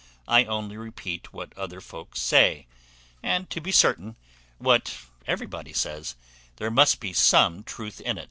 I only repeat what other folks say; and, to be certain, what everybody says, there must be some truth in."